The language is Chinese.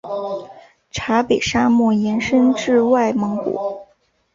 察北沙漠延伸至外蒙古。